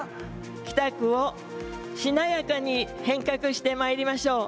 北区をしなやかに変革してまいりましょう。